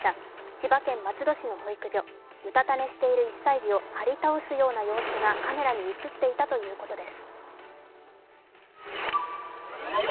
千葉県松戸市の保育所、うたた寝している１歳児を張り倒すような様子がカメラに映っていたということです。